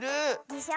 でしょ。